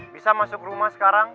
bisa masuk rumah sekarang